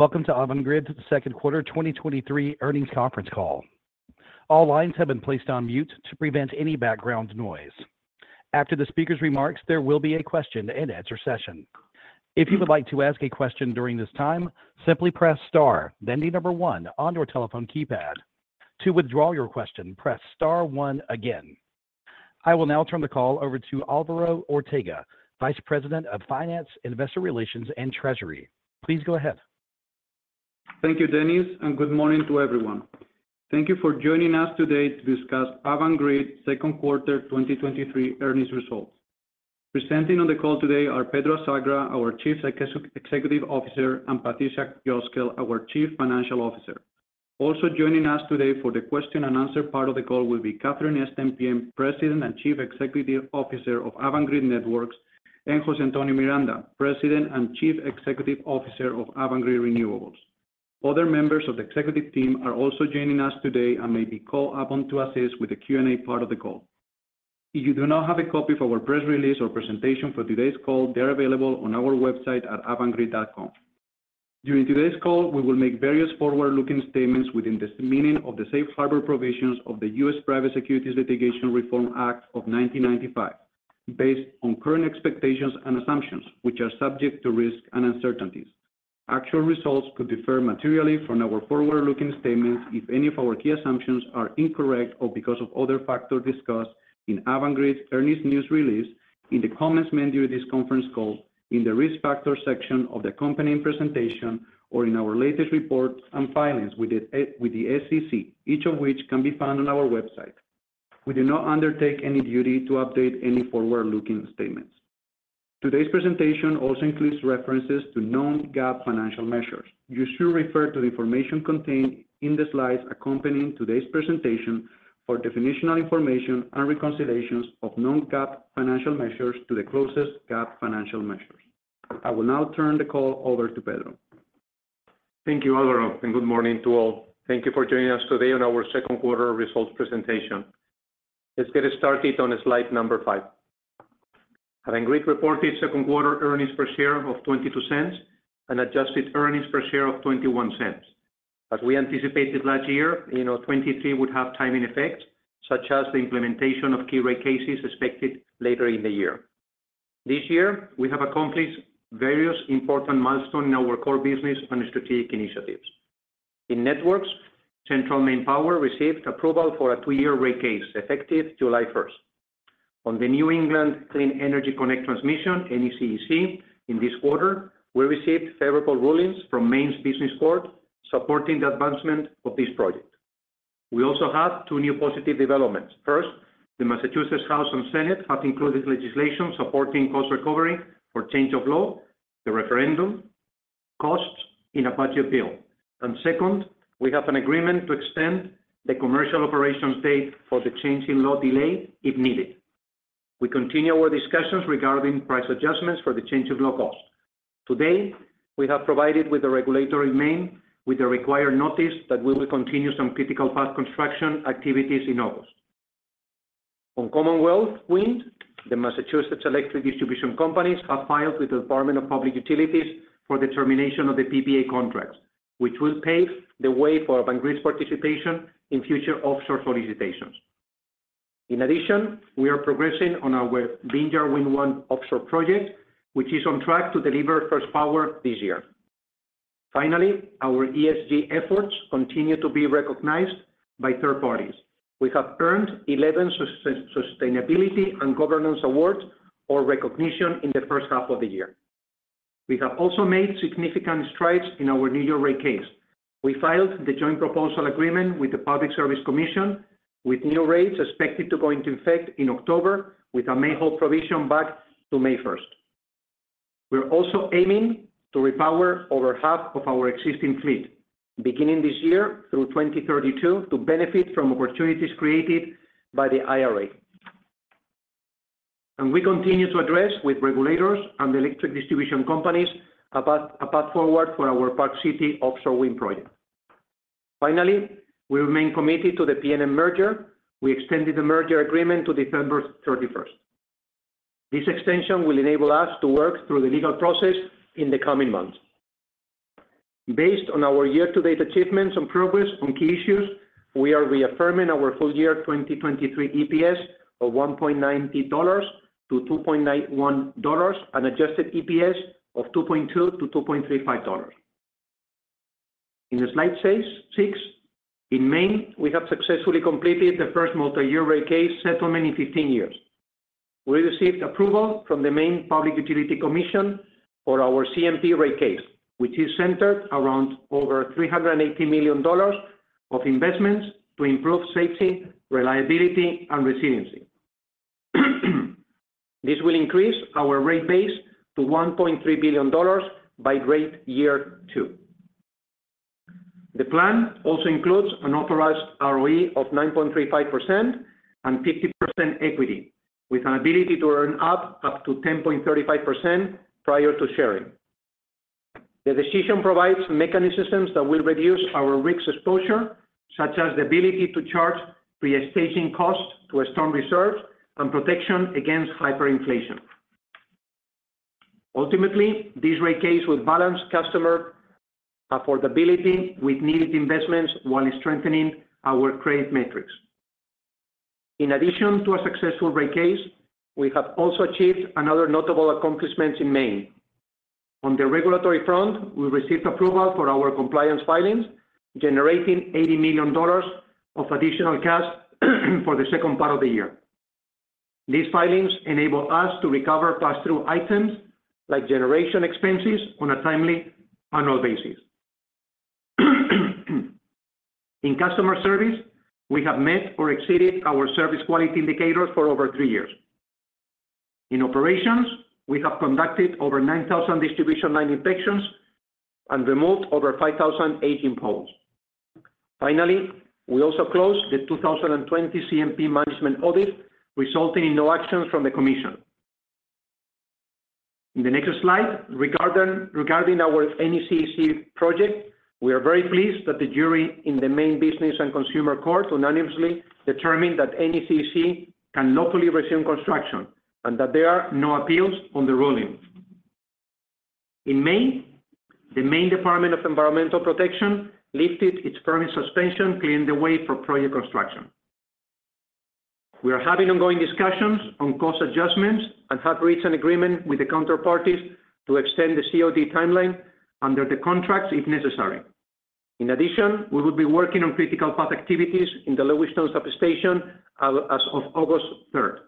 Welcome to Avangrid's second quarter 2023 earnings conference call. All lines have been placed on mute to prevent any background noise. After the speaker's remarks, there will be a question and answer session. If you would like to ask a question during this time, simply press Star, then the number one on your telephone keypad. To withdraw your question, press Star one again. I will now turn the call over to Alvaro Ortega, Vice President, Finance, Investor Relations, and Treasury. Please go ahead. Thank you, Dennis. Good morning to everyone. Thank you for joining us today to discuss Avangrid second quarter 2023 earnings results. Presenting on the call today are Pedro Azagra, our Chief Executive Officer, and Patricia Cosgel, our Chief Financial Officer. Joining us today for the question and answer part of the call will be Catherine Stempien, President and Chief Executive Officer of Avangrid Networks, and Jose Antonio Miranda, President and Chief Executive Officer of Avangrid Renewables. Other members of the executive team are also joining us today and may be called upon to assist with the Q&A part of the call. If you do not have a copy of our press release or presentation for today's call, they're available on our website at avangrid.com. During today's call, we will make various forward-looking statements within the meaning of the Safe Harbor provisions of the U.S. Private Securities Litigation Reform Act of 1995, based on current expectations and assumptions, which are subject to risk and uncertainties. Actual results could differ materially from our forward-looking statements, if any of our key assumptions are incorrect or because of other factors discussed in Avangrid's earnings news release, in the comments made during this conference call, in the Risk Factor section of the company presentation, or in our latest reports and filings with the SEC, each of which can be found on our website. We do not undertake any duty to update any forward-looking statements. Today's presentation also includes references to non-GAAP financial measures. You should refer to the information contained in the slides accompanying today's presentation for definitional information and reconciliations of non-GAAP financial measures to the closest GAAP financial measures. I will now turn the call over to Pedro. Thank you, Alvaro. Good morning to all. Thank you for joining us today on our second quarter results presentation. Let's get started on slide number five. Avangrid reported second quarter earnings per share of $0.22 and adjusted earnings per share of $0.21. As we anticipated last year, you know, 2023 would have timing effects, such as the implementation of key rate cases expected later in the year. This year, we have accomplished various important milestones in our core business and strategic initiatives. In networks, Central Maine Power received approval for a two-year rate case, effective July 1st. On the New England Clean Energy Connect transmission, NECEC, in this quarter, we received favorable rulings from Maine Business and Consumer Court supporting the advancement of this project. We also have two new positive developments. First, the Massachusetts House and Senate have included legislation supporting cost recovery for change of law, the referendum, costs in a budget bill. Second, we have an agreement to extend the commercial operation date for the change in law delay, if needed. We continue our discussions regarding price adjustments for the change of law cost. Today, we have provided with the regulatory Maine with the required notice that we will continue some critical path construction activities in August. On Commonwealth Wind, the Massachusetts Electric Distribution Companies have filed with the Department of Public Utilities for the termination of the PPA contract, which will pave the way for Avangrid's participation in future offshore solicitations. In addition, we are progressing on our Vineyard Wind 1 offshore project, which is on track to deliver first power this year. Finally, our ESG efforts continue to be recognized by third parties. We have earned 11 sustainability and governance awards or recognition in the first half of the year. We have also made significant strides in our New York rate case. We filed the Joint Proposal Agreement with the Public Service Commission, with new rates expected to go into effect in October, with a may hold provision back to May first. We're also aiming to repower over half of our existing fleet, beginning this year through 2032, to benefit from opportunities created by the IRA. We continue to address with regulators and the electric distribution companies, a path forward for our Park City offshore wind project. Finally, we remain committed to the PNM merger. We extended the merger agreement to December 31st. This extension will enable us to work through the legal process in the coming months. Based on our year-to-date achievements and progress on key issues, we are reaffirming our full year 2023 EPS of $1.90-$2.91, an Adjusted EPS of $2.20-$2.35. In slide six, in Maine, we have successfully completed the first multi-year rate case settlement in 15 years. We received approval from the Maine Public Utilities Commission for our CMP rate case, which is centered around over $380 million of investments to improve safety, reliability, and resiliency. This will increase our rate base to $1.3 billion by rate year two. The plan also includes an authorized ROE of 9.35% and 50% equity, with an ability to earn up to 10.35% prior to sharing. The decision provides mechanisms that will reduce our risk exposure, such as the ability to charge re-estating costs to a storm reserve and protection against hyperinflation. Ultimately, this rate case will balance customer affordability with needed investments while strengthening our credit metrics. In addition to a successful rate case, we have also achieved another notable accomplishment in Maine. On the regulatory front, we received approval for our compliance filings, generating $80 million of additional cash for the second part of the year. These filings enable us to recover pass-through items, like generation expenses, on a timely annual basis. In customer service, we have met or exceeded our service quality indicators for over three years. In operations, we have conducted over 9,000 distribution line inspections and removed over 5,000 aging poles. We also closed the 2020 CMP management audit, resulting in no actions from the commission. The next slide, regarding our NECEC project, we are very pleased that the jury in the Maine Business and Consumer Court unanimously determined that NECEC can lawfully resume construction, and that there are no appeals on the ruling. Maine, the Maine Department of Environmental Protection lifted its permit suspension, clearing the way for project construction. We are having ongoing discussions on cost adjustments and have reached an agreement with the counterparties to extend the COD timeline under the contracts, if necessary. Addition, we will be working on critical path activities in the Lewiston substation as of August 3rd.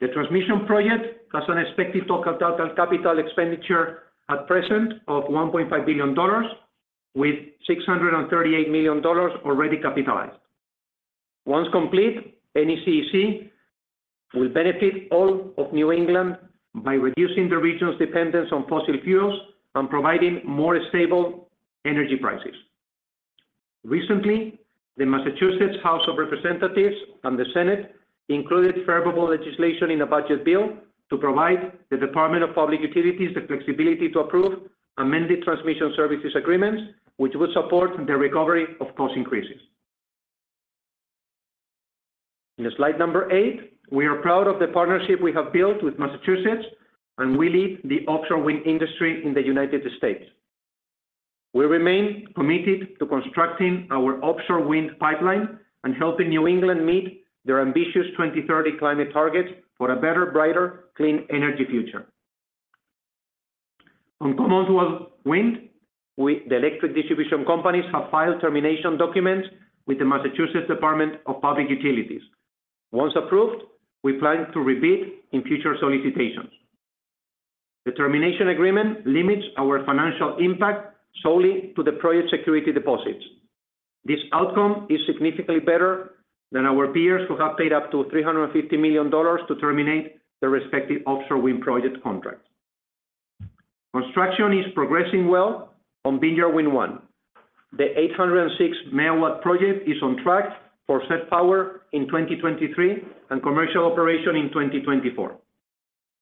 The transmission project has an expected total capital expenditure at present of $1.5 billion, with $638 million already capitalized. Once complete, NECEC will benefit all of New England by reducing the region's dependence on fossil fuels and providing more stable energy prices. Recently, the Massachusetts House of Representatives and the Senate included favorable legislation in a budget bill to provide the Department of Public Utilities the flexibility to approve amended transmission services agreements, which will support the recovery of cost increases. In slide number 8, we are proud of the partnership we have built with Massachusetts, we lead the offshore wind industry in the United States. We remain committed to constructing our offshore wind pipeline and helping New England meet their ambitious 2030 climate targets for a better, brighter, clean energy future. On Commonwealth Wind, the electric distribution companies have filed termination documents with the Massachusetts Department of Public Utilities. Once approved, we plan to rebid in future solicitations. The termination agreement limits our financial impact solely to the project security deposits. This outcome is significantly better than our peers, who have paid up to $350 million to terminate their respective offshore wind project contracts. Construction is progressing well on Vineyard Wind 1. The 806 MW project is on track for set power in 2023, and commercial operation in 2024.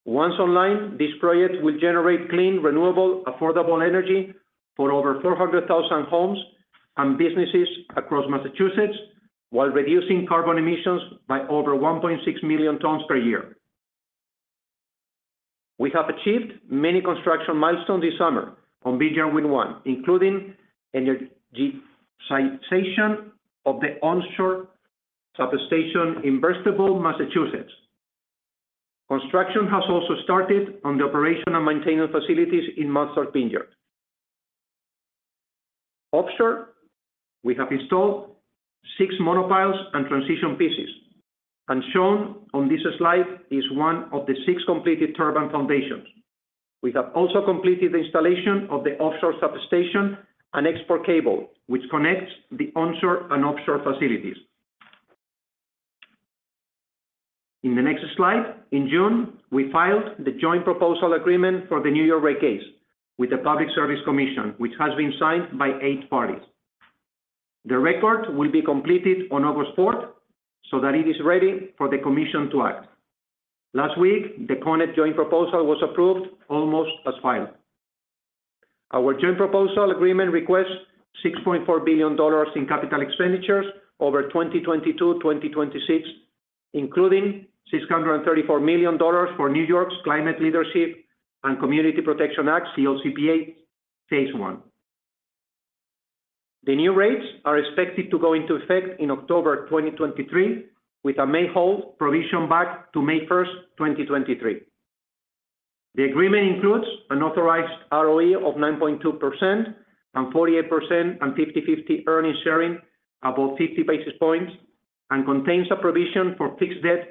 Once online, this project will generate clean, renewable, affordable energy for over 400,000 homes and businesses across Massachusetts, while reducing carbon emissions by over 1.6 million tons per year. We have achieved many construction milestones this summer on Vineyard Wind 1, including energization of the onshore substation in Barnstable, Massachusetts. Construction has also started on the operation and maintenance facilities in Martha's Vineyard. Offshore, we have installed six monopiles and transition pieces, and shown on this slide is one of the six completed turbine foundations. We have also completed the installation of the offshore substation and export cable, which connects the onshore and offshore facilities. In the next slide, in June, we filed the Joint Proposal agreement for the New York rate case with the Public Service Commission, which has been signed by eight parties. The record will be completed on August 4th, so that it is ready for the commission to act. Last week, the Con Ed Joint Proposal was approved almost as filed. Our Joint Proposal agreement requests $6.4 billion in capital expenditures over 2022, 2026, including $634 million for New York's Climate Leadership and Community Protection Act, CLCPA, Phase 1. The new rates are expected to go into effect in October 2023, with a may hold provision back to May 1st, 2023. The agreement includes an authorized ROE of 9.2%, and 48% and 50/50 earnings sharing, about 50 basis points, and contains a provision for fixed debt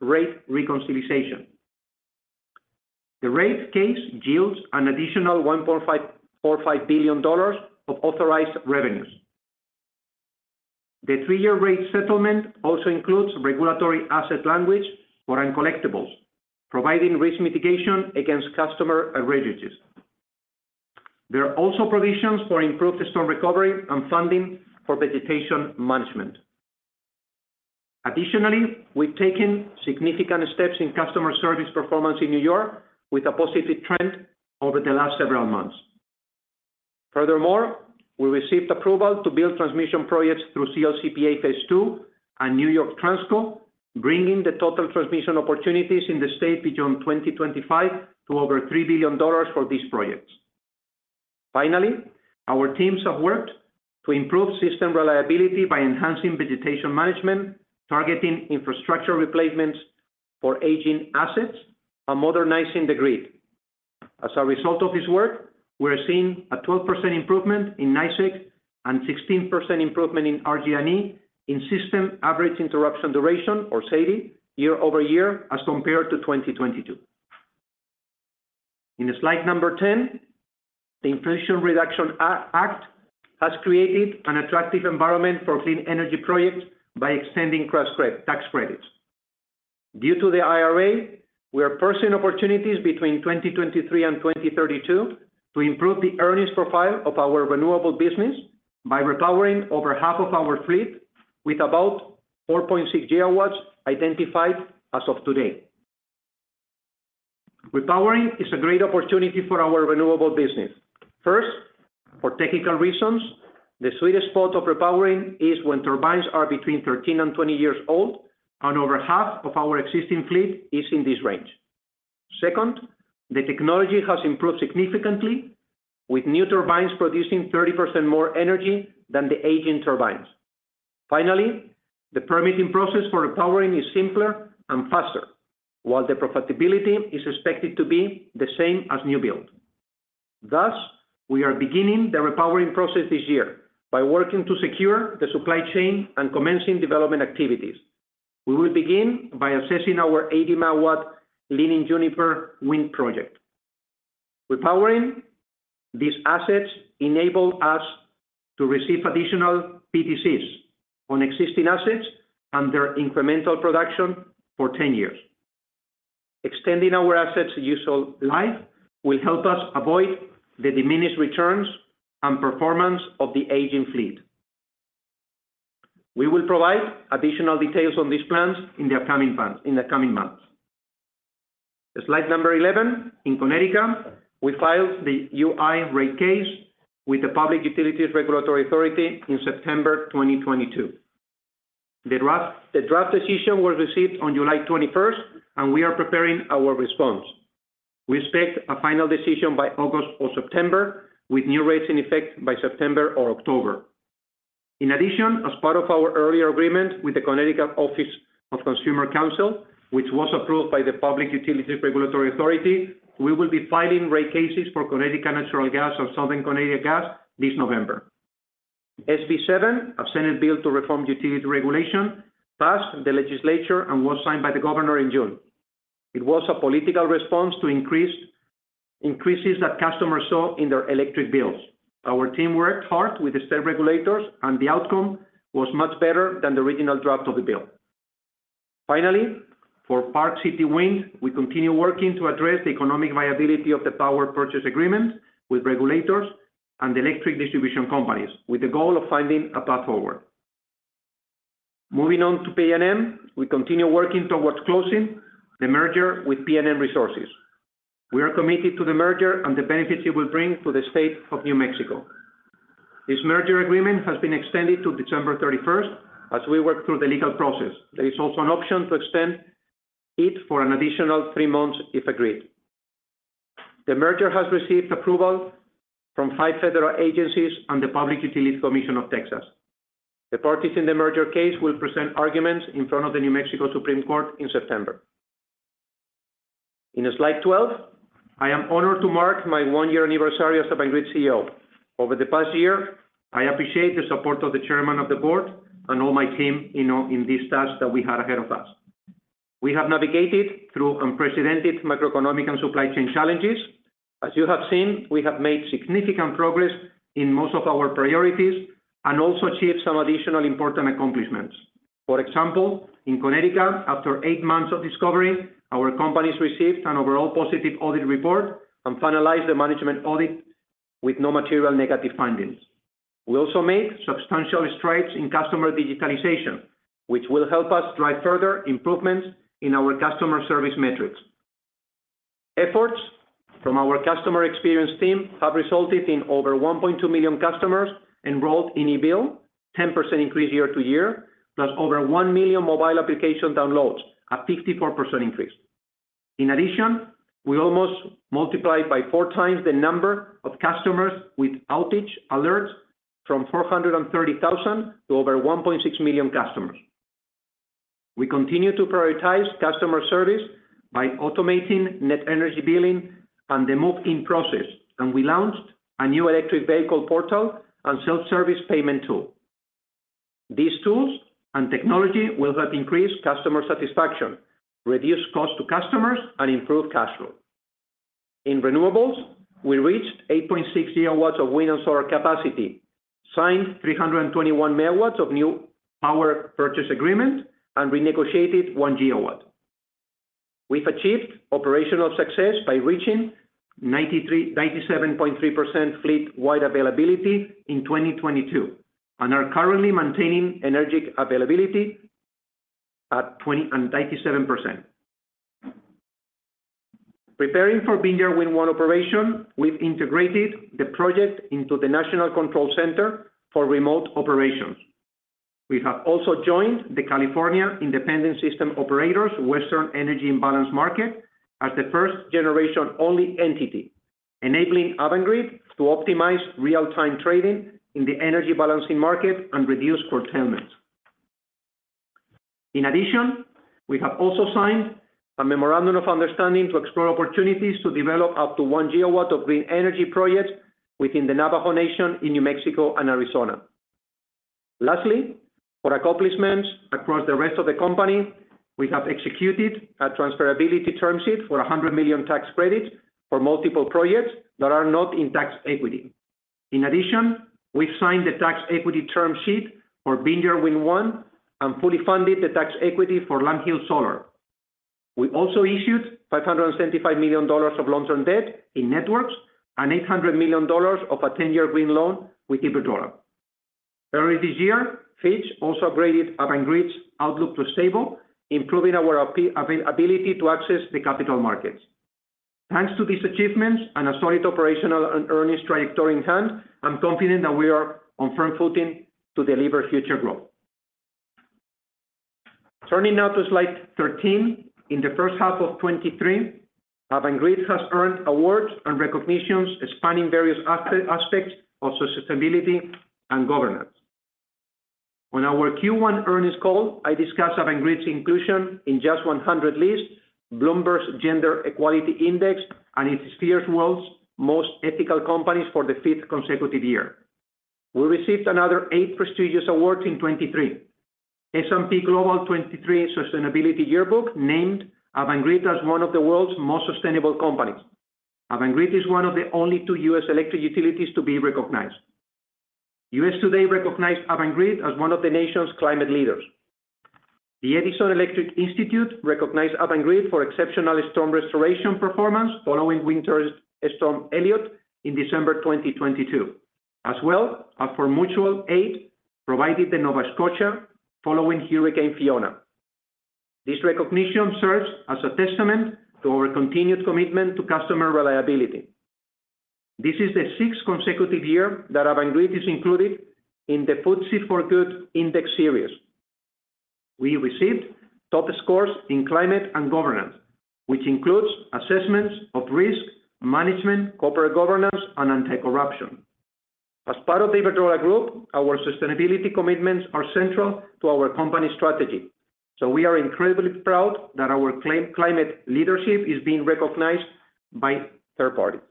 rate reconciliation. The rate case yields an additional $4.5 billion of authorized revenues. The three-year rate settlement also includes regulatory asset language for uncollectibles, providing risk mitigation against customer arrearages. There are also provisions for improved storm recovery and funding for vegetation management. Additionally, we've taken significant steps in customer service performance in New York with a positive trend over the last several months.... We received approval to build transmission projects through CLCPA Phase 2 and New York Transco, bringing the total transmission opportunities in the state between 2025 to over $3 billion for these projects. Our teams have worked to improve system reliability by enhancing vegetation management, targeting infrastructure replacements for aging assets, and modernizing the grid. As a result of this work, we are seeing a 12% improvement in NYISO and 16% improvement in RG&E in System Average Interruption Duration, or SAIDI, year-over-year as compared to 2022. In slide number 10, the Inflation Reduction Act has created an attractive environment for clean energy projects by extending tax credits. Due to the IRA, we are pursuing opportunities between 2023 and 2032 to improve the earnings profile of our renewable business by repowering over half of our fleet, with about 4.6 GW identified as of today. Repowering is a great opportunity for our renewable business. First, for technical reasons, the sweetest spot of repowering is when turbines are between 13 and 20 years old, and over half of our existing fleet is in this range. Second, the technology has improved significantly, with new turbines producing 30% more energy than the aging turbines. Finally, the permitting process for repowering is simpler and faster, while the profitability is expected to be the same as new build. Thus, we are beginning the repowering process this year by working to secure the supply chain and commencing development activities. We will begin by assessing our 80-MW Leaning Juniper Wind Project. Repowering these assets enable us to receive additional PTCs on existing assets and their incremental production for 10 years. Extending our assets' useful life will help us avoid the diminished returns and performance of the aging fleet. We will provide additional details on these plans in the coming months. Slide number 11. In Connecticut, we filed the UI rate case with the Public Utilities Regulatory Authority in September 2022. The draft decision was received on July 21st, and we are preparing our response. We expect a final decision by August or September, with new rates in effect by September or October. As part of our earlier agreement with the Connecticut Office of Consumer Counsel, which was approved by the Public Utilities Regulatory Authority, we will be filing rate cases for Connecticut Natural Gas or Southern Connecticut Gas this November. SB 7, a Senate bill to reform utility regulation, passed the legislature and was signed by the governor in June. It was a political response to increases that customers saw in their electric bills. The outcome was much better than the original draft of the bill. Finally, for Park City Wind, we continue working to address the economic viability of the power purchase agreement with regulators and electric distribution companies, with the goal of finding a path forward. Moving on to PNM, we continue working towards closing the merger with PNM Resources. We are committed to the merger and the benefits it will bring to the state of New Mexico. This merger agreement has been extended to December 31st as we work through the legal process. There is also an option to extend it for an additional three months, if agreed. The merger has received approval from five federal agencies and the Public Utility Commission of Texas. The parties in the merger case will present arguments in front of the New Mexico Supreme Court in September. In slide 12, I am honored to mark my one-year anniversary as the Avangrid CEO. Over the past year, I appreciate the support of the chairman of the board and all my team in this task that we had ahead of us. We have navigated through unprecedented macroeconomic and supply chain challenges. As you have seen, we have made significant progress in most of our priorities and also achieved some additional important accomplishments. For example, in Connecticut, after eight months of discovery, our companies received an overall positive audit report and finalized the management audit with no material negative findings. We also made substantial strides in customer digitalization, which will help us drive further improvements in our customer service metrics. Efforts from our customer experience team have resulted in over 1.2 million customers enrolled in eBill, 10% increase year-over-year, plus over 1 million mobile application downloads, a 54% increase. In addition, we almost multiplied by 4x the number of customers with outage alerts from 430,000 to over 1.6 million customers. We continue to prioritize customer service by automating net energy billing and the move-in process, and we launched a new electric vehicle portal and self-service payment tool. These tools and technology will help increase customer satisfaction, reduce cost to customers, and improve cash flow. In renewables, we reached 8.6 GW of wind and solar capacity, signed 321 MW of new power purchase agreement, and renegotiated 1 GW. We've achieved operational success by reaching 97.3% fleet-wide availability in 2022, and are currently maintaining energetic availability at 20 and 97%. Preparing for Vineyard Wind 1 operation, we've integrated the project into the National Control Center for remote operations. We have also joined the California Independent System Operator, Western Energy Imbalance Market, as the first generation-only entity, enabling Avangrid to optimize real-time trading in the energy balancing market and reduce curtailment. We have also signed a memorandum of understanding to explore opportunities to develop up to 1 GW of green energy projects within the Navajo Nation in New Mexico and Arizona. For accomplishments across the rest of the company, we have executed a transferability term sheet for $100 million tax credits for multiple projects that are not in tax equity. We've signed the tax equity term sheet for Vineyard Wind 1, and fully funded the tax equity for Lund Hill Solar. We also issued $575 million of long-term debt in networks, and $800 million of a 10-year green loan with Iberdrola. Early this year, Fitch also upgraded Avangrid's outlook to stable, improving our availability to access the capital markets. Thanks to these achievements and a solid operational and earnings trajectory in hand, I'm confident that we are on firm footing to deliver future growth. Turning now to slide 13. In the first half of 2023, Avangrid has earned awards and recognitions spanning various aspects of sustainability and governance. On our Q1 earnings call, I discussed Avangrid's inclusion in JUST 100 lists, Bloomberg Gender-Equality Index, and Ethisphere's World's Most Ethical Companies for the fifth consecutive year. We received another eight prestigious awards in 2023. S&P Global 2023 Sustainability Yearbook, named Avangrid as one of the world's most sustainable companies. Avangrid is one of the only two U.S. electric utilities to be recognized. USA Today recognized Avangrid as one of the nation's climate leaders. The Edison Electric Institute recognized Avangrid for exceptional storm restoration performance following Winter Storm Elliott in December 2022, as well as for mutual aid provided to Nova Scotia following Hurricane Fiona. This recognition serves as a testament to our continued commitment to customer reliability. This is the sixth consecutive year that Avangrid is included in the FTSE4Good Index Series. We received top scores in climate and governance, which includes assessments of risk management, corporate governance, and anti-corruption. As part of the Iberdrola group, our sustainability commitments are central to our company strategy, so we are incredibly proud that our climate leadership is being recognized by third parties.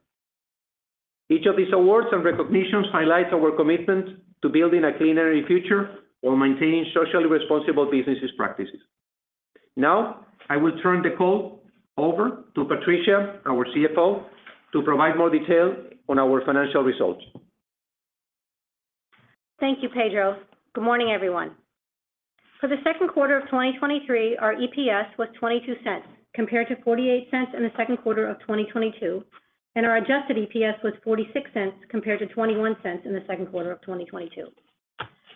Each of these awards and recognitions highlights our commitment to building a clean energy future while maintaining socially responsible businesses practices. Now, I will turn the call over to Patricia, our CFO, to provide more detail on our financial results. Thank you, Pedro Azagra. Good morning, everyone. For the second quarter of 2023, our EPS was $0.22, compared to $0.48 in the second quarter of 2022, and our adjusted EPS was $0.46, compared to $0.21 in the second quarter of 2022.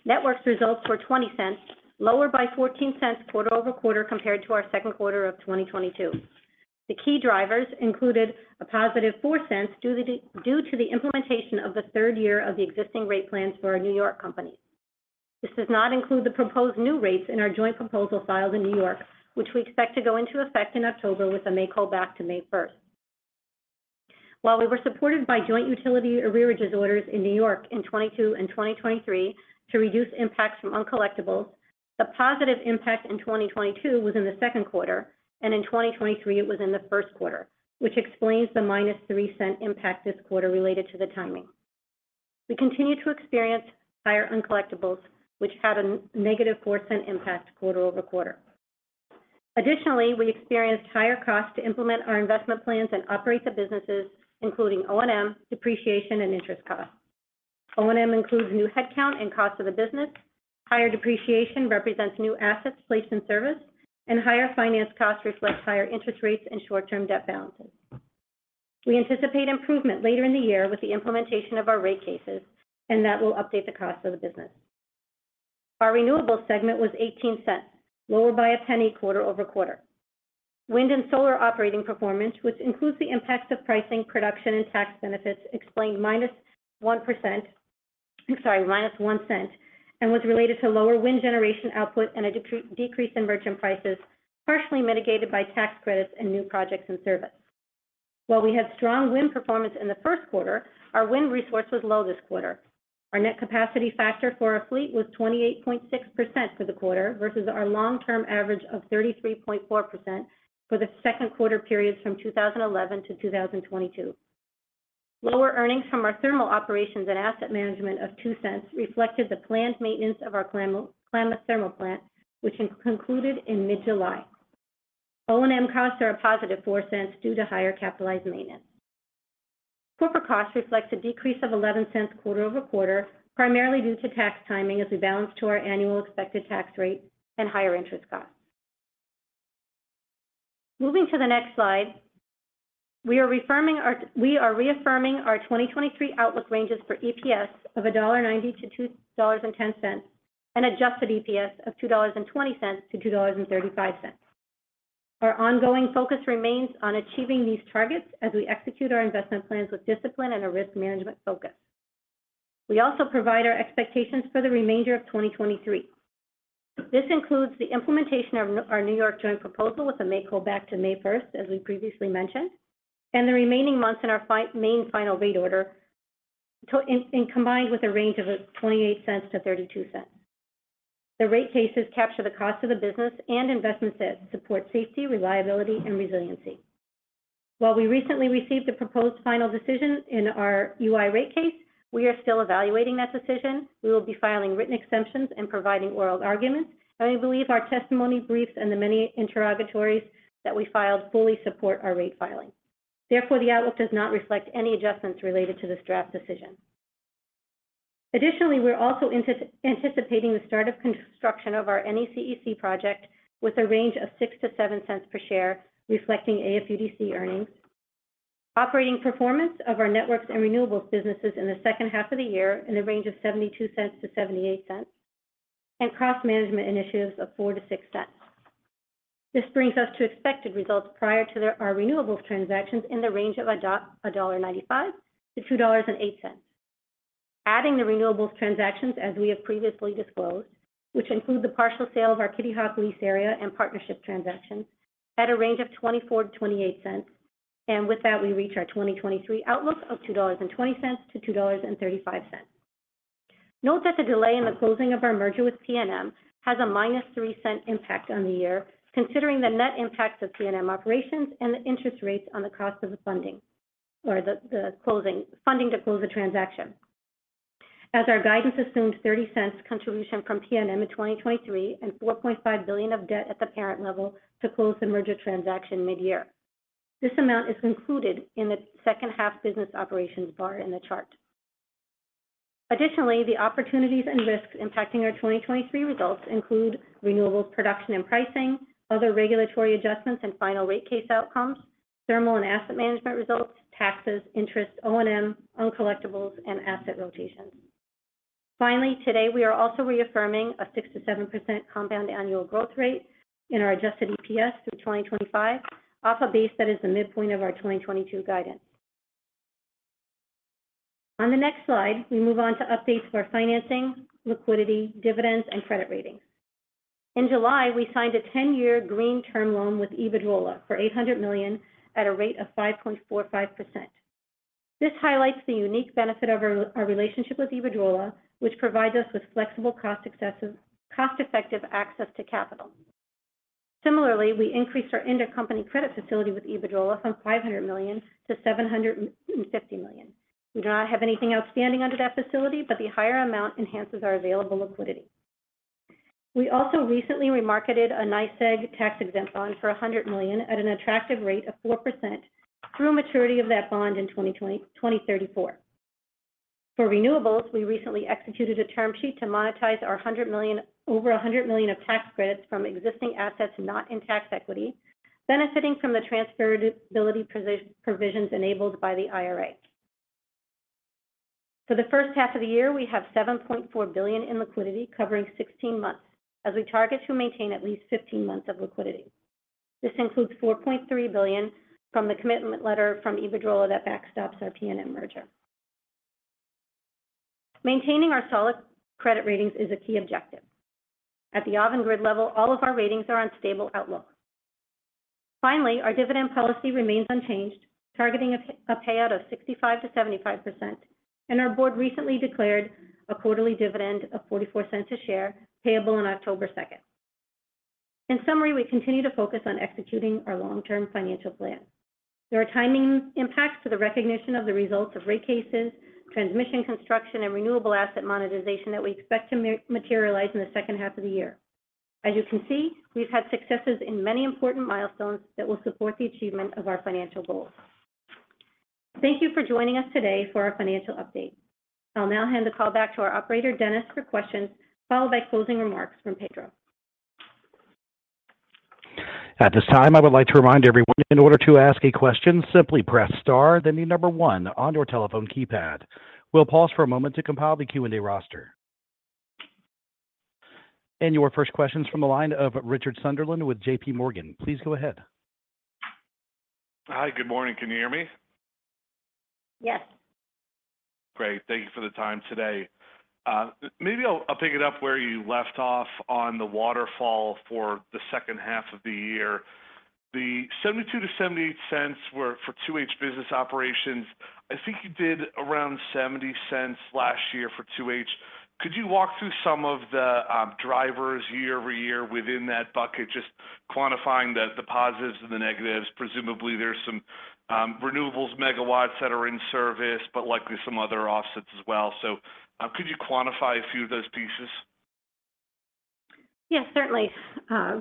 Networks results were $0.20, lower by $0.14 quarter-over-quarter, compared to our second quarter of 2022. The key drivers included a positive $0.04, due to the implementation of the third year of the existing rate plans for our New York company. This does not include the proposed new rates in our Joint Proposal filed in New York, which we expect to go into effect in October with a may call back to May first. While we were supported by joint utility arrearages orders in New York in 2022 and 2023 to reduce impacts from uncollectibles, the positive impact in 2022 was in the second quarter, and in 2023 it was in the first quarter, which explains the -$0.03 impact this quarter related to the timing. We continue to experience higher uncollectibles, which had a -$0.04 impact quarter-over-quarter. Additionally, we experienced higher costs to implement our investment plans and operate the businesses, including O&M, depreciation, and interest costs. O&M includes new headcount and cost of the business. Higher depreciation represents new assets placed in service, and higher finance costs reflect higher interest rates and short-term debt balances. We anticipate improvement later in the year with the implementation of our rate cases, and that will update the cost of the business. Our renewables segment was $0.18, lower by $0.01 quarter-over-quarter. Wind and solar operating performance, which includes the impacts of pricing, production, and tax benefits, explained -$0.01, and was related to lower wind generation output and a decrease in merchant prices, partially mitigated by tax credits and new projects in service. While we had strong wind performance in the first quarter, our wind resource was low this quarter. Our net capacity factor for our fleet was 28.6% for the quarter, versus our long-term average of 33.4% for the second quarter periods from 2011 to 2022. Lower earnings from our thermal operations and asset management of $0.02 reflected the planned maintenance of our Klamath Cogeneration Plant, which concluded in mid-July. O&M costs are a positive $0.04 due to higher capitalized maintenance. Corporate costs reflect a decrease of $0.11 quarter-over-quarter, primarily due to tax timing as we balance to our annual expected tax rate and higher interest costs. Moving to the next slide. We are reaffirming our 2023 outlook ranges for EPS of $1.90-$2.10, and adjusted EPS of $2.20-$2.35. Our ongoing focus remains on achieving these targets as we execute our investment plans with discipline and a risk management focus. We also provide our expectations for the remainder of 2023. This includes the implementation of our New York Joint Proposal with a May call back to May 1st, as we previously mentioned, and the remaining months in our main final rate order, to, in, and combined with a range of $0.28-$0.32. The rate cases capture the cost of the business and investment set, support safety, reliability and resiliency. While we recently received a proposed final decision in our UI rate case, we are still evaluating that decision. We will be filing written exemptions and providing oral arguments, and we believe our testimony, briefs, and the many interrogatories that we filed fully support our rate filing. The outlook does not reflect any adjustments related to this draft decision. Additionally, we're also anticipating the start of construction of our NECEC project with a range of $0.06-$0.07 per share, reflecting AFUDC earnings. Operating performance of our networks and renewables businesses in the second half of the year, in the range of $0.72-$0.78, and cross management initiatives of $0.04-$0.06. This brings us to expected results prior to our renewables transactions in the range of $1.95-$2.08. Adding the renewables transactions as we have previously disclosed, which include the partial sale of our Kitty Hawk lease area and partnership transactions at a range of $0.24-$0.28, with that, we reach our 2023 outlook of $2.20-$2.35. Note that the delay in the closing of our merger with PNM has a -$0.03 impact on the year, considering the net impact of PNM operations and the interest rates on the cost of the funding or the closing, funding to close the transaction. As our guidance assumed $0.30 contribution from PNM in 2023 and $4.5 billion of debt at the parent level to close the merger transaction mid-year. This amount is included in the second half business operations bar in the chart. Additionally, the opportunities and risks impacting our 2023 results include renewables production and pricing, other regulatory adjustments and final rate case outcomes, thermal and asset management results, taxes, interest, O&M, uncollectibles, and asset rotations. Finally, today, we are also reaffirming a 6%-7% compound annual growth rate in our adjusted EPS through 2025, off a base that is the midpoint of our 2022 guidance. On the next slide, we move on to updates for financing, liquidity, dividends, and credit ratings. In July, we signed a 10-year green term loan with Iberdrola for $800 million at a rate of 5.45%. This highlights the unique benefit of our relationship with Iberdrola, which provides us with flexible, cost-effective access to capital. Similarly, we increased our intercompany credit facility with Iberdrola from $500 million to $750 million. We do not have anything outstanding under that facility, but the higher amount enhances our available liquidity. We also recently remarketed a NYSEG tax-exempt bond for $100 million at an attractive rate of 4% through maturity of that bond in 2034. For renewables, we recently executed a term sheet to monetize our $100 million, over $100 million of tax credits from existing assets not in tax equity, benefiting from the transferability provisions enabled by the IRA. For the first half of the year, we have $7.4 billion in liquidity covering 16 months, as we target to maintain at least 15 months of liquidity. This includes $4.3 billion from the commitment letter from Iberdrola that backstops our PNM merger. Maintaining our solid credit ratings is a key objective. At the Avangrid level, all of our ratings are on stable outlook. Finally, our dividend policy remains unchanged, targeting a payout of 65%-75%, and our board recently declared a quarterly dividend of $0.44 a share, payable on October 2nd. In summary, we continue to focus on executing our long-term financial plan. There are timing impacts to the recognition of the results of rate cases, transmission, construction, and renewable asset monetization that we expect to materialize in the second half of the year. As you can see, we've had successes in many important milestones that will support the achievement of our financial goals. Thank you for joining us today for our financial update. I'll now hand the call back to our operator, Dennis, for questions, followed by closing remarks from Pedro. At this time, I would like to remind everyone, in order to ask a question, simply press star, then the 1 on your telephone keypad. We'll pause for a moment to compile the Q&A roster. Your first question's from the line of Richard Sunderland with JPMorgan. Please go ahead. Hi, good morning. Can you hear me? Yes. Great. Thank you for the time today. Maybe I'll pick it up where you left off on the waterfall for the second half of the year. The $0.72-$0.78 were for 2H business operations. I think you did around $0.70 last year for 2H. Could you walk through some of the drivers year-over-year within that bucket? Just quantifying the positives and the negatives. Presumably, there's some renewables megawatts that are in service, but likely some other offsets as well. Could you quantify a few of those pieces? Yes, certainly,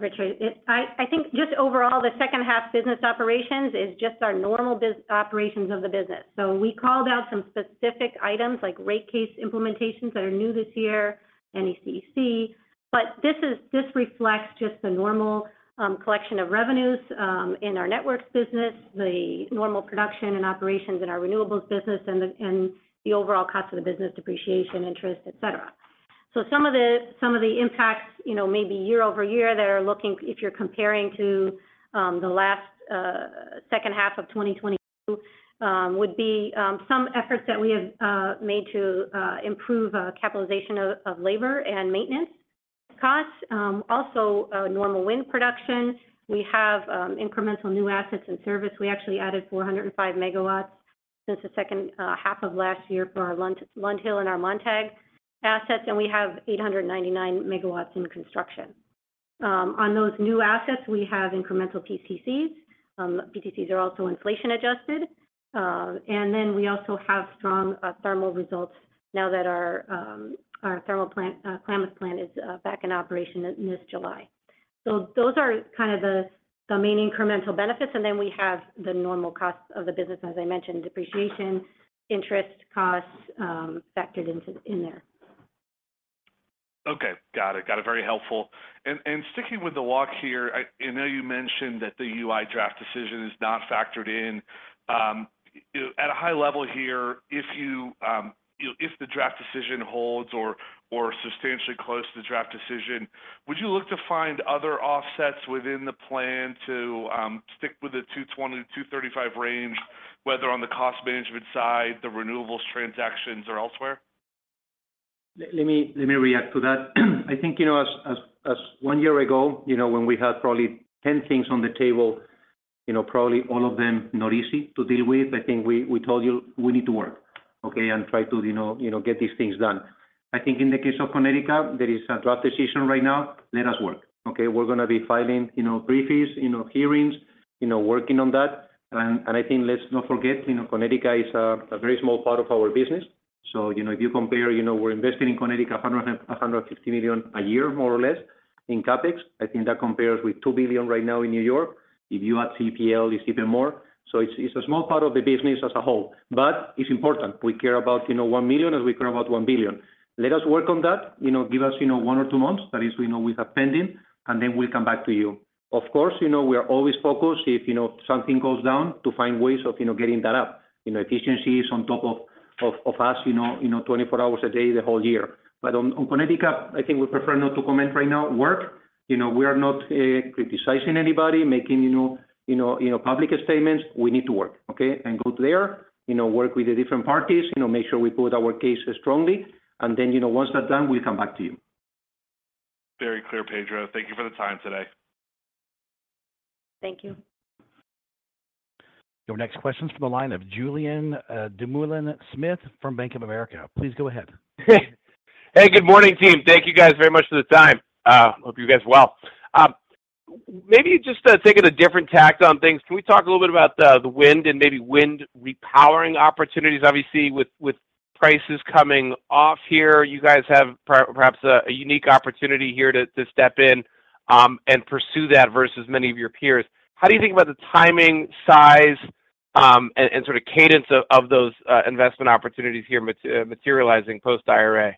Richard. I think just overall, the second half business operations is just our normal operations of the business. We called out some specific items like rate case implementations that are new this year, NECEC. This reflects just the normal collection of revenues in our networks business, the normal production and operations in our renewables business, and the overall cost of the business, depreciation, interest, et cetera. Some of the impacts, you know, maybe year-over-year that are looking, if you're comparing to the last second half of 2022, would be some efforts that we have made to improve capitalization of labor and maintenance costs. Also, normal wind production. We have incremental new assets and service. We actually added 405 MW since the second half of last year for our Lund Hill and our Montague assets, and we have 899 MW in construction. On those new assets, we have incremental PTCs. PTCs are also inflation-adjusted. We also have strong thermal results now that our thermal plant, Klamath plant is back in operation in this July. Those are kind of the main incremental benefits, and then we have the normal costs of the business, as I mentioned, depreciation, interest costs, factored in there. Okay. Got it. Got it. Very helpful. Sticking with the walk here, I know you mentioned that the UI draft decision is not factored in. At a high level here, if the draft decision holds or substantially close to the draft decision, would you look to find other offsets within the plan to stick with the $2.20-$2.35 range, whether on the cost management side, the renewables transactions, or elsewhere? Let me, let me react to that. I think, you know, as one year ago, you know, when we had probably 10 things on the table, you know, probably all of them not easy to deal with, I think we told you we need to work, okay? Try to, you know, get these things done. I think in the case of Connecticut, there is a draft decision right now, let us work, okay? We're gonna be filing, you know, briefings, you know, hearings, you know, working on that. I think let's not forget, you know, Connecticut is a very small part of our business. If you compare, you know, we're investing in Connecticut $150 million a year, more or less in CapEx. I think that compares with $2 billion right now in New York. If you add CPL, it's even more. It's a small part of the business as a whole, but it's important. We care about, you know, $1 million as we care about $1 billion. Let us work on that. You know, give us, you know, one or two months, that is, we know we have pending, and then we'll come back to you. Of course, you know, we are always focused if, you know, something goes down to find ways of, you know, getting that up. You know, efficiency is on top of us, you know, 24 hours a day, the whole year. On Connecticut, I think we prefer not to comment right now. Work, you know, we are not criticizing anybody, making, you know, public statements. We need to work, okay. Go there, you know, work with the different parties, you know, make sure we put our case strongly, and then, you know, once that's done, we'll come back to you. Very clear, Pedro. Thank you for the time today. Thank you. Your next question is from the line of Julien Dumoulin-Smith from Bank of America. Please go ahead. Hey, good morning, team. Thank Thank you guys very much for the time. Hope you guys are well. Maybe just taking a different tact on things, can we talk a little bit about the wind and maybe wind repowering opportunities? Obviously, with prices coming off here, you guys have perhaps a unique opportunity here to step in and pursue that versus many of your peers. How do you think about the timing, size, and sort of cadence of those investment opportunities here materializing post-IRA?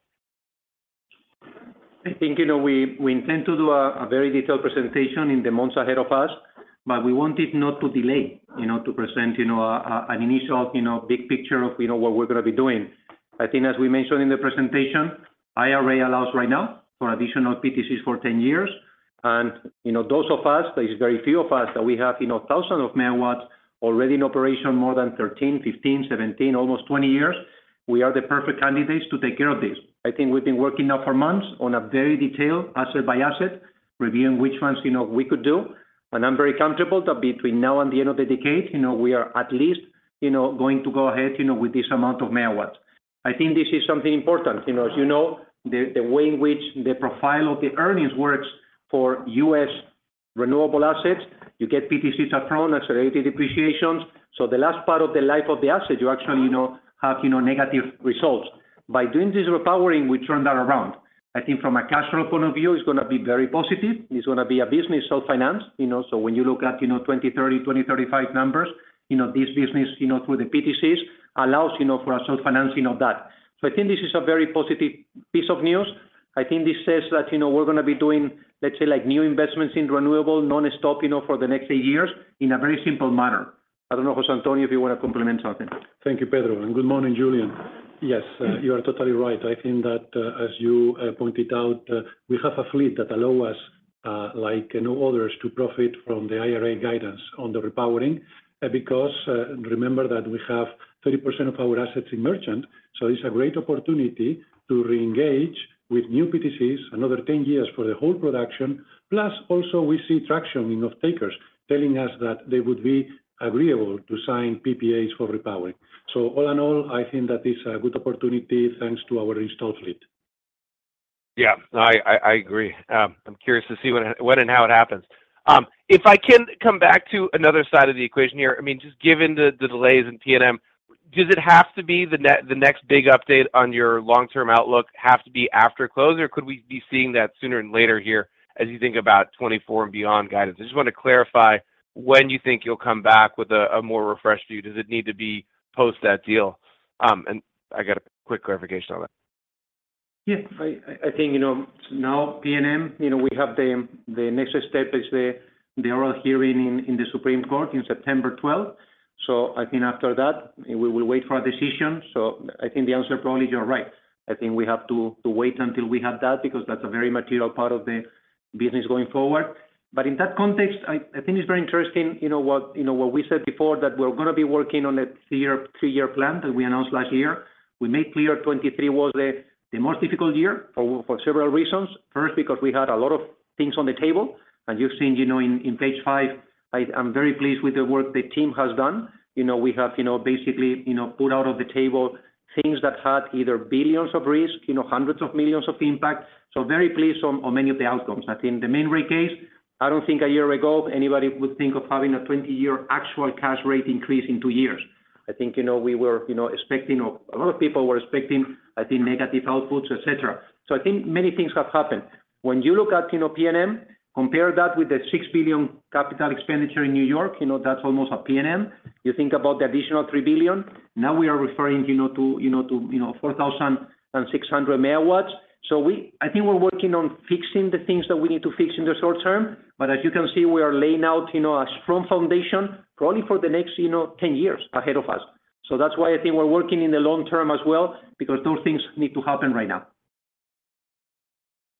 I think, you know, we intend to do a very detailed presentation in the months ahead of us, but we want it not to delay, you know, to present, you know, an initial, you know, big picture of, you know, what we're gonna be doing. I think as we mentioned in the presentation, IRA allows right now for additional PTCs for 10 years. You know, those of us, there's very few of us, that we have, you know, thousands of megawatts already in operation, more than 13, 15, 17, almost 20 years. We are the perfect candidates to take care of this. I think we've been working now for months on a very detailed asset-by-asset, reviewing which ones, you know, we could do. I'm very comfortable that between now and the end of the decade, you know, we are at least, you know, going to go ahead, you know, with this amount of megawatts. I think this is something important. You know, as you know, the way in which the profile of the earnings works for U.S. renewable assets, you get PTCs up front, accelerated depreciations. The last part of the life of the asset, you actually, you know, have, you know, negative results. By doing this repowering, we turn that around. I think from a cash flow point of view, it's gonna be very positive. It's gonna be a business self-financed. When you look at, you know, 2030, 2035 numbers, you know, this business, you know, through the PTCs, allows, you know, for a self-financing of that. I think this is a very positive piece of news. I think this says that, you know, we're gonna be doing, let's say, like, new investments in renewable, nonstop, you know, for the next 8 years in a very simple manner. I don't know, Jose Antonio, if you want to complement something. Thank you, Pedro, and good morning, Julian. Yes, you are totally right. I think that, as you pointed out, we have a fleet that allow us, like no others, to profit from the IRA guidance on the repowering. Because, remember that we have 30% of our assets in merchant, so it's a great opportunity to reengage with new PTCs, another 10 years for the whole production. Plus, also, we see tractioning of takers telling us that they would be agreeable to sign PPAs for repowering. All in all, I think that is a good opportunity, thanks to our installed fleet. Yeah, I agree. I'm curious to see when and how it happens. If I can come back to another side of the equation here, I mean, just given the delays in PNM... Does it have to be the next big update on your long-term outlook have to be after close, or could we be seeing that sooner than later here as you think about 2024 and beyond guidance? I just want to clarify when you think you'll come back with a more refreshed view. Does it need to be post that deal? I got a quick clarification on that. I think now PNM, we have the next step is the oral hearing in the Supreme Court in September 12th. I think after that, we will wait for a decision. I think the answer, probably, you're right. I think we have to wait until we have that, because that's a very material part of the business going forward. In that context, I think it's very interesting what we said before, that we're going to be working on a three-year plan that we announced last year. We made clear 2023 was the most difficult year for several reasons. First, because we had a lot of things on the table, you've seen in page five, I'm very pleased with the work the team has done. You know, we have, you know, basically, you know, put out of the table things that had either billions of risk, you know, hundreds of millions of impact. Very pleased on many of the outcomes. I think the Maine rate case, I don't think a year ago, anybody would think of having a 20-year actual cash rate increase in two years. I think, you know, we were, you know, expecting or a lot of people were expecting, I think, negative outputs, et cetera. I think many things have happened. When you look at, you know, PNM, compare that with the $6 billion capital expenditure in New York, you know, that's almost a PNM. You think about the additional $3 billion, now we are referring, you know, to, you know, to, you know, 4,600 MW. I think we're working on fixing the things that we need to fix in the short term, but as you can see, we are laying out, you know, a strong foundation, probably for the next, you know, 10 years ahead of us. That's why I think we're working in the long term as well, because those things need to happen right now.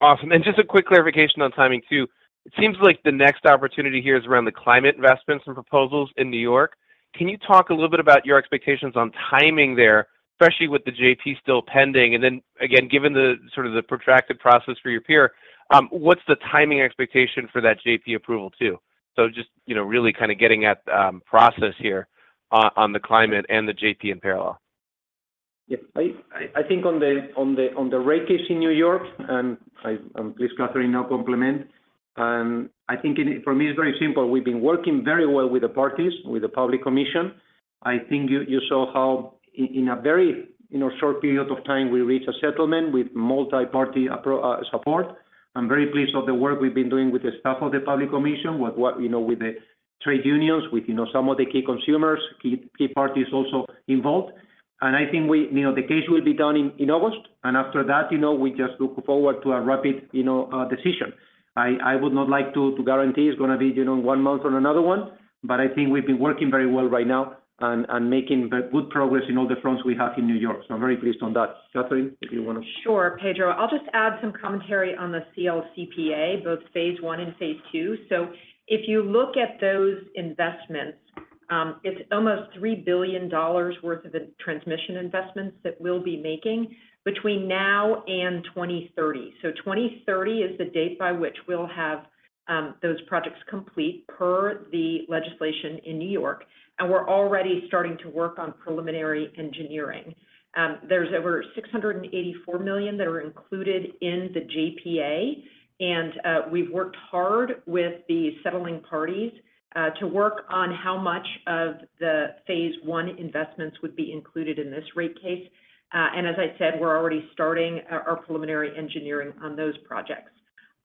Awesome. Just a quick clarification on timing, too. It seems like the next opportunity here is around the climate investments and proposals in New York. Can you talk a little bit about your expectations on timing there, especially with the JP still pending? Then again, given the sort of the protracted process for your peer, what's the timing expectation for that JP approval, too? Just, you know, really kind of getting at process here on the climate and the JP in parallel. Yeah. I think on the rate case in New York. Please, Catherine, now complement. I think for me, it's very simple. We've been working very well with the parties, with the Public Service Commission. I think you saw how in a very, you know, short period of time, we reached a settlement with multiparty support. I'm very pleased of the work we've been doing with the staff of the Public Service Commission, with what, you know, with the trade unions, with, you know, some of the key consumers, key parties also involved. I think we, you know, the case will be done in August, and after that, you know, we just look forward to a rapid, you know, decision. I would not like to guarantee it's gonna be, you know, one month or another one, but I think we've been working very well right now and making the good progress in all the fronts we have in New York. I'm very pleased on that. Catherine, if you wanna. Sure, Pedro. I'll just add some commentary on the CLCPA, both Phase 1 and Phase 2. If you look at those investments, it's almost $3 billion worth of the transmission investments that we'll be making between now and 2030. 2030 is the date by which we'll have those projects complete per the legislation in New York, and we're already starting to work on preliminary engineering. There's over $684 million that are included in the JPA, and we've worked hard with the settling parties to work on how much of the Phase 1 investments would be included in this rate case. As I said, we're already starting our preliminary engineering on those projects.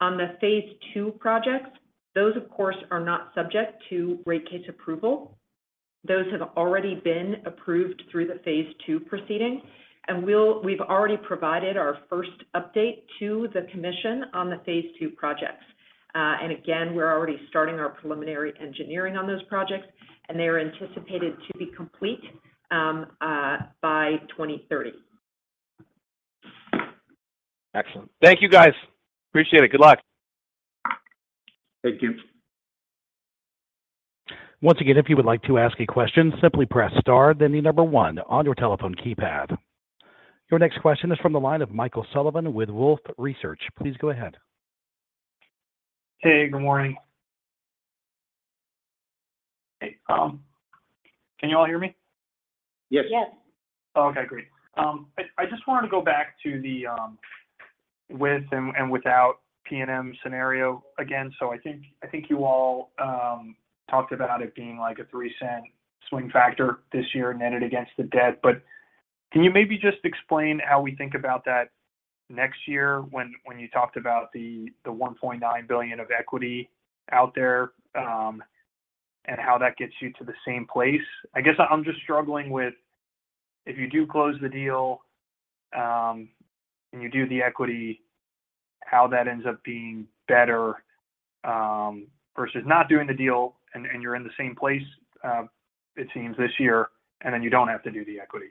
On the Phase 2 projects, those, of course, are not subject to rate case approval. Those have already been approved through the Phase 2 proceeding. We've already provided our first update to the commission on the Phase 2 projects. Again, we're already starting our preliminary engineering on those projects. They are anticipated to be complete by 2030. Excellent. Thank you, guys. Appreciate it. Good luck. Thank you. Once again, if you would like to ask a question, simply press star, then the number one on your telephone keypad. Your next question is from the line of Michael Sullivan with Wolfe Research. Please go ahead. Hey, good morning. Hey, can you all hear me? Yes. Yes. Okay, great. I just wanted to go back to the with and without PNM scenario again. I think you all talked about it being like a $0.03 swing factor this year, netted against the debt. Can you maybe just explain how we think about that next year when you talked about the $1.9 billion of equity out there and how that gets you to the same place? I guess I'm just struggling with, if you do close the deal and you do the equity, how that ends up being better versus not doing the deal and you're in the same place, it seems this year, and then you don't have to do the equity.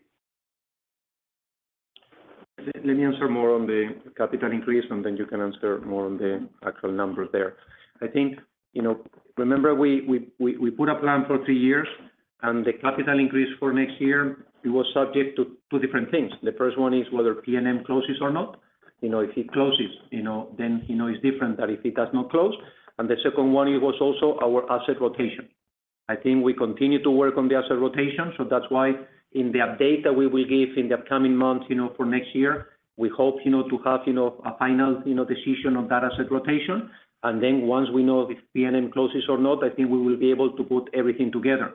Let me answer more on the capital increase, and then you can answer more on the actual numbers there. I think, you know, remember, we put a plan for three years, and the capital increase for next year, it was subject to two different things. The first one is whether PNM closes or not. You know, if it closes, you know, then, you know, it's different than if it does not close. The second one, it was also our asset rotation. I think we continue to work on the asset rotation, so that's why in the update that we will give in the upcoming months, you know, for next year, we hope, you know, to have, you know, a final, you know, decision on that asset rotation. Once we know if PNM closes or not, I think we will be able to put everything together...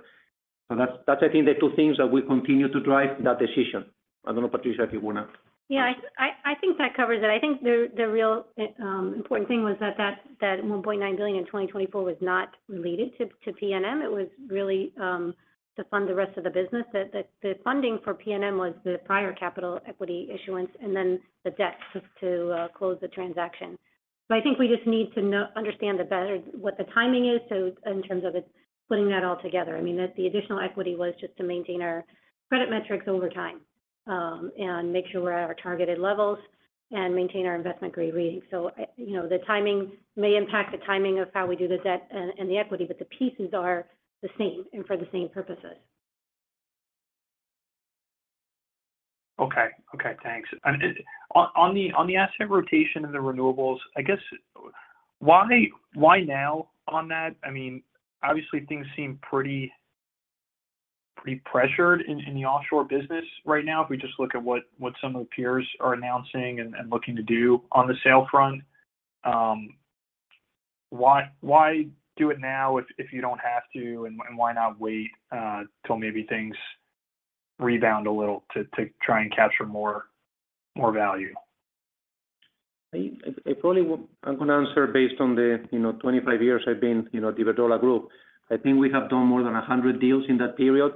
That's, that's I think the two things that we continue to drive that decision. I don't know, Patricia, if you wanna. Yeah, I think that covers it. I think the real important thing was that $1.9 billion in 2024 was not related to PNM. It was really to fund the rest of the business. The funding for PNM was the prior capital equity issuance, and then the debt to close the transaction. I think we just need to understand the better, what the timing is, so in terms of it, putting that all together. I mean, the additional equity was just to maintain our credit metrics over time, and make sure we're at our targeted levels and maintain our investment-grade rating. You know, the timing may impact the timing of how we do the debt and the equity, but the pieces are the same and for the same purposes. Okay. Okay, thanks. On the asset rotation and the renewables, I guess, why now on that? I mean, obviously, things seem pretty pressured in the offshore business right now. If we just look at what some of the peers are announcing and looking to do on the sale front. Why do it now if you don't have to, and why not wait till maybe things rebound a little to try and capture more value? I'm gonna answer based on the, you know, 25 years I've been, you know, Iberdrola Group. I think we have done more than 100 deals in that period.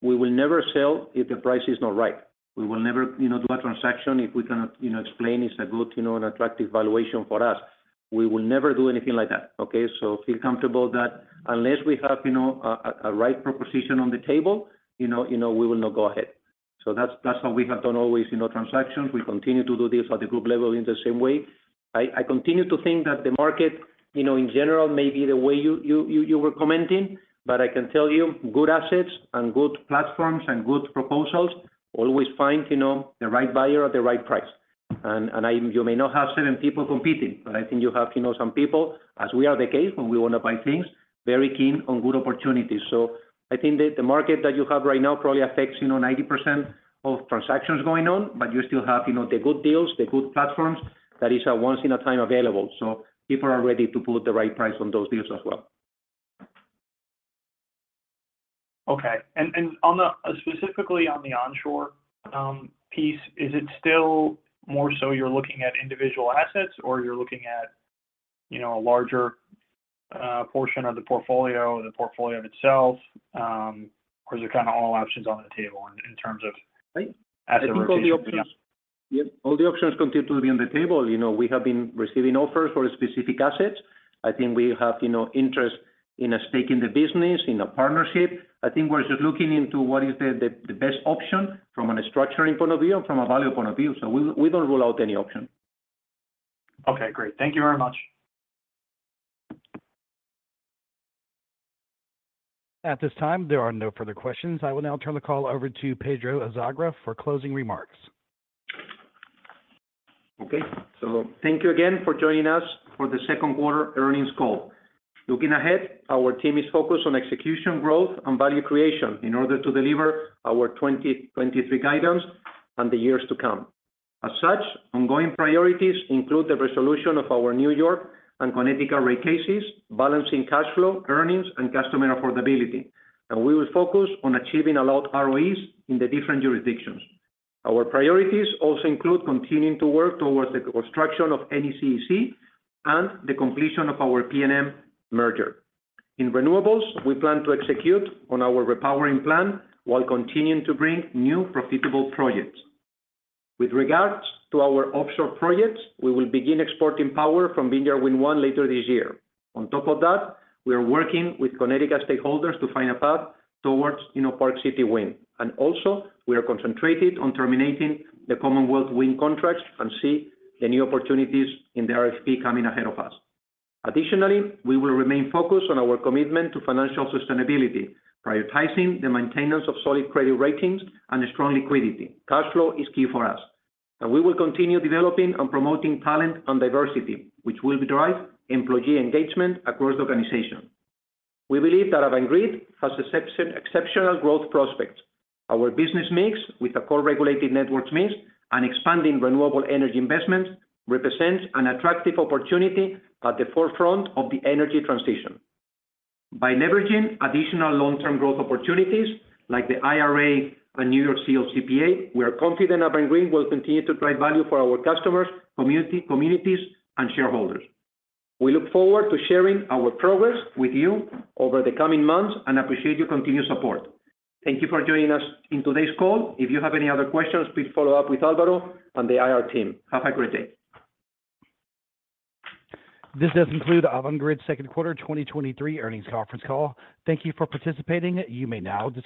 We will never sell if the price is not right. We will never, you know, do a transaction if we cannot, you know, explain it's a good, you know, and attractive valuation for us. We will never do anything like that, okay? So feel comfortable that unless we have, you know, a right proposition on the table, you know, you know, we will not go ahead. So that's what we have done always, you know, transactions. We continue to do this at the group level in the same way. I continue to think that the market, you know, in general, may be the way you were commenting, but I can tell you, good assets and good platforms and good proposals always find, you know, the right buyer at the right price. You may not have seven people competing, but I think you have, you know, some people, as we are the case, when we want to buy things, very keen on good opportunities. I think that the market that you have right now probably affects, you know, 90% of transactions going on, but you still have, you know, the good deals, the good platforms, that is a once in a time available. People are ready to put the right price on those deals as well. Okay. Specifically on the onshore piece, is it still more so you're looking at individual assets, or you're looking at, you know, a larger portion of the portfolio, the portfolio itself? Or is it kind of all options on the table in, in terms of? Right. Asset rotation? I think all the options. Yep, all the options continue to be on the table. You know, we have been receiving offers for specific assets. I think we have, you know, interest in a stake in the business, in a partnership. I think we're just looking into what is the, the, the best option from a structuring point of view and from a value point of view. We don't rule out any option. Okay, great. Thank you very much. At this time, there are no further questions. I will now turn the call over to Pedro Azagra for closing remarks. Okay. Thank you again for joining us for the second quarter earnings call. Looking ahead, our team is focused on execution, growth, and value creation in order to deliver our 2023 guidance and the years to come. As such, ongoing priorities include the resolution of our New York and Connecticut rate cases, balancing cash flow, earnings, and customer affordability, and we will focus on achieving allowed ROEs in the different jurisdictions. Our priorities also include continuing to work towards the construction of NECEC and the completion of our PNM merger. In renewables, we plan to execute on our repowering plan while continuing to bring new profitable projects. With regards to our offshore projects, we will begin exporting power from Vineyard Wind 1 later this year. On top of that, we are working with Connecticut stakeholders to find a path towards, you know, Park City Wind. Also, we are concentrated on terminating the Commonwealth Wind contracts and see the new opportunities in the RFP coming ahead of us. Additionally, we will remain focused on our commitment to financial sustainability, prioritizing the maintenance of solid credit ratings and strong liquidity. Cash flow is key for us, and we will continue developing and promoting talent and diversity, which will drive employee engagement across the organization. We believe that Avangrid has exceptional growth prospects. Our business mix, with a core regulated networks mix and expanding renewable energy investments, represents an attractive opportunity at the forefront of the energy transition. By leveraging additional long-term growth opportunities, like the IRA and New York CLCPA, we are confident Avangrid will continue to drive value for our customers, communities, and shareholders. We look forward to sharing our progress with you over the coming months and appreciate your continued support. Thank you for joining us in today's call. If you have any other questions, please follow up with Alvaro and the IR team. Have a great day. This does conclude the Avangrid second quarter 2023 earnings conference call. Thank you for participating. You may now disconnect.